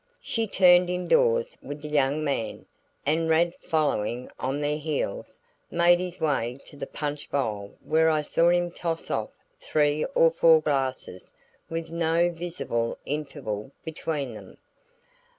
She turned indoors with the young man, and Rad following on their heels, made his way to the punch bowl where I saw him toss off three or four glasses with no visible interval between them.